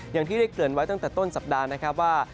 อย่างที่ได้เกิดไว้ตั้งแต่ต้นสัปดาห์นะครับว่า